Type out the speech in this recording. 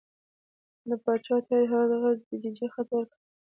باچا ته یې هغه د ججې خط ورکړ.